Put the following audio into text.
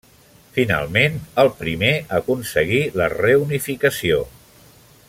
Finalment, el primer aconseguí la reunificació.